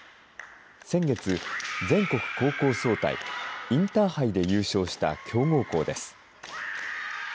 先月、全国高校総体・インターハイで優勝した強豪校です。